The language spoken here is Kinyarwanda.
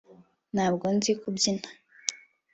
Ntabwo nzi kubyina